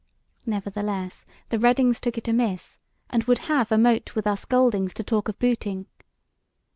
"Nevertheless, the Reddings took it amiss, and would have a mote with us Goldings to talk of booting.